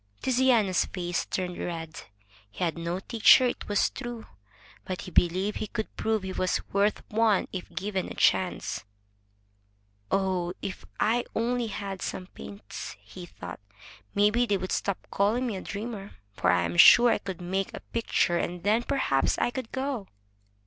Tiziano's face turned red. He had no teacher, it was true. But he believed he could prove he was worth one if given a chance. "Oh, if I only had some paints!" he thought. "Maybe they would stop calling me a dreamer, for I am sure I could make a picture, and then perhaps I could go."